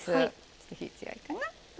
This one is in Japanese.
ちょっと火強いかな？